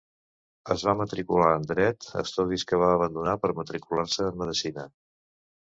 Es va matricular en Dret, estudis que va abandonar per matricular-se en Medicina.